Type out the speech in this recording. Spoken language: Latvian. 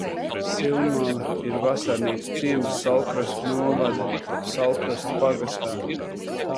Silmala ir vasarnīcu ciems Saulkrastu novada Saulkrastu pagastā.